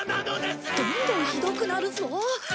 どんどんひどくなるぞ。